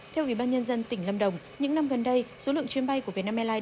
theo ủy ban nhân dân tỉnh lâm đồng những năm gần đây số lượng chuyến bay của vietnam airlines